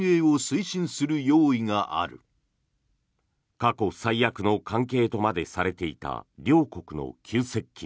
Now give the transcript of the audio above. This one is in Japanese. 過去最悪の関係とまでされていた両国の急接近。